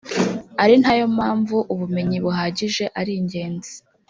ari nayo mpamvu ubumenyi buhagije ari ingenzi